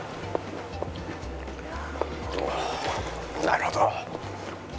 なるほど。